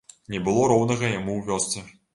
Не было роўнага яму ў вёсцы.